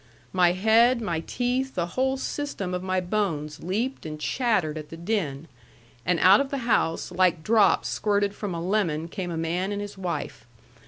My head, my teeth, the whole system of my bones leaped and chattered at the din, and out of the house like drops squirted from a lemon came a man and his wife.